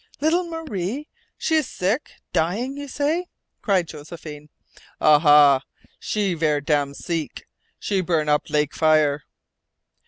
"Little Marie? She is sick dying, you say?" cried Josephine. "Aha. She ver' dam' seek. She burn up lak fire."